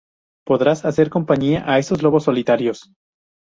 podrás hacer compañía a esos lobos solitarios